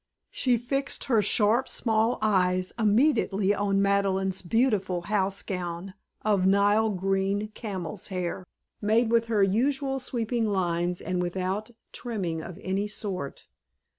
She fixed her sharp small eyes immediately on Madeleine's beautiful house gown of nile green camel's hair, made with her usual sweeping lines and without trimming of any sort.